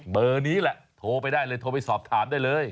เบอร์นี้แหละโทรไปได้เลยโทรไปสอบถามได้เลย